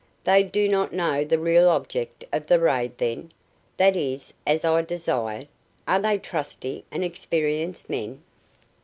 "They do not know the real object of the raid, then. That is as I desired. Are they trusty and experienced men?"